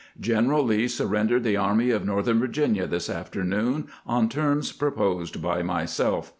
General Lee surrendered the Army of Northern Virginia this afternoon on terms proposed by myself.